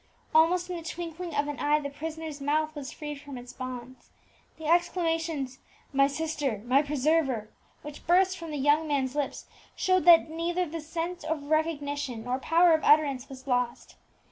Almost in the twinkling of an eye the prisoner's mouth was freed from its bonds. The exclamations "My sister! my preserver!" which burst from the young man's lips, showed that neither the sense of recognition nor power of utterance was lost.